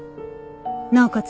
なおかつ